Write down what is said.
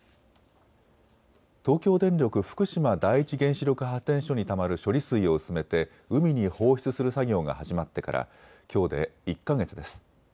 東京電力福島第一原子力発電所にたまる処理水を薄めて海に放出する作業が始まってからきょうで１か月です。